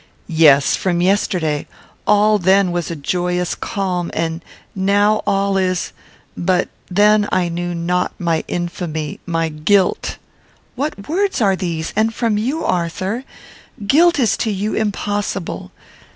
"Yes! From yesterday; all then was a joyous calm, and now all is but then I knew not my infamy, my guilt " "What words are these, and from you, Arthur? Guilt is to you impossible.